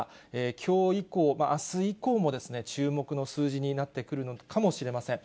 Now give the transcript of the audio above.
きょう以降、あす以降も注目の数字になってくるのかもしれません。